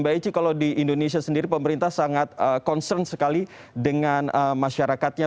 mbak eci kalau di indonesia sendiri pemerintah sangat concern sekali dengan masyarakatnya